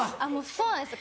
そうなんですよ